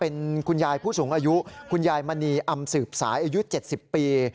เป็นคุณยายผู้สูงอายุคุณยายมณีอำสืบสายอายุ๗๐ปี